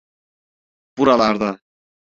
Buralarda.